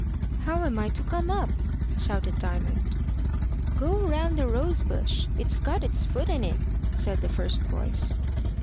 "How am I to come up?" shouted Diamond. "Go round the rose bush. It's got its foot in it," said the first voice.